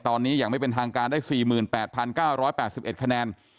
ตอนนี้ยังไม่เป็นทางการได้สี่หมื่นแปดพันเก้าร้อยแปดสิบเอ็ดคะแนน